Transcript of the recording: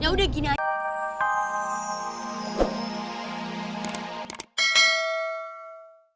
ya udah gini aja